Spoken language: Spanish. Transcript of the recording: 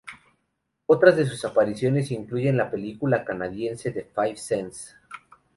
Otras de sus apariciones incluyen la película canadiense "The Five Senses".